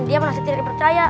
dia masih tidak di percaya